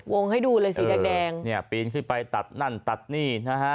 ให้ดูเลยสีแดงแดงเนี่ยปีนขึ้นไปตัดนั่นตัดนี่นะฮะ